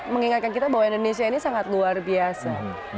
mengingatkan kita bahwa indonesia ini sangat luar biasa